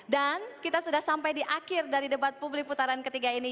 dan kita sudah sampai di akhir dari debat publik putaran ketiga ini